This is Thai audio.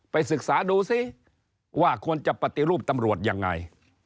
ศึกษาดูซิว่าควรจะปฏิรูปตำรวจยังไง